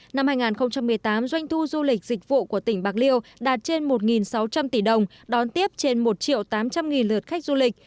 năm hai nghìn một mươi tám doanh thu du lịch dịch vụ của tỉnh bạc liêu đạt trên một sáu trăm linh tỷ đồng đón tiếp trên một triệu tám trăm linh lượt khách du lịch